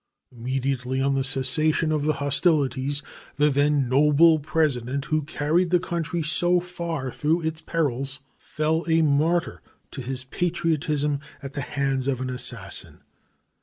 Immediately on the cessation of hostilities the then noble President, who had carried the country so far through its perils, fell a martyr to his patriotism at the hands of an assassin.